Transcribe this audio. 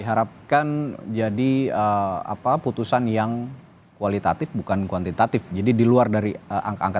diharapkan jadi apa putusan yang kualitatif bukan kuantitatif jadi di luar dari angka angka